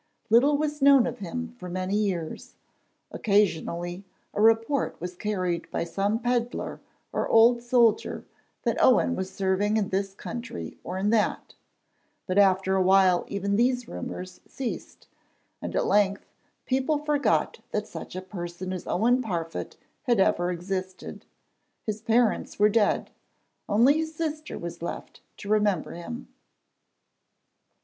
Little was known of him for many years: occasionally a report was carried by some pedlar or old soldier that Owen was serving in this country or in that, but after a while even these rumours ceased, and at length people forgot that such a person as Owen Parfitt had ever existed. His parents were dead; only his sister was left to remember him.